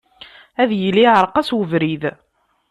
Ad yili iεreq-as ubrid.